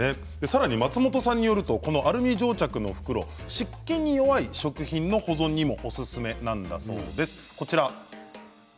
さらに松本さんによるとこのアルミ蒸着の袋、湿気に弱い食品の保存にもおすすめなんだそうです。